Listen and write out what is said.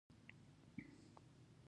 ومې ویل صحیح دي.